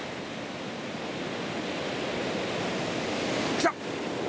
来た！